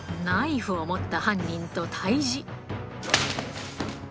ナイフを持った犯人と対じ。